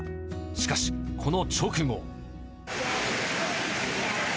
しかし、この直後。